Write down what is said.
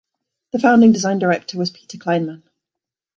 The founding Design Director was Peter Kleinman.